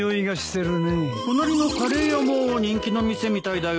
隣のカレー屋も人気の店みたいだよ。